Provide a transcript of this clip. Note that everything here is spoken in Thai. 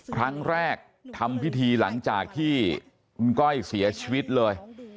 ครั้งแรกทำพิธีหลังจากที่คุณก้อยเสียชีวิตเลย